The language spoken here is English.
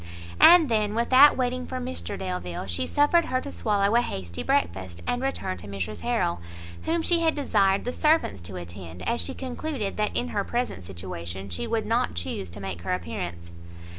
And then, without waiting for Mr Delvile, she suffered her to swallow a hasty breakfast, and return to Mrs Harrel, whom she had desired the servants to attend, as she concluded that in her present situation she would not chuse to make her appearance.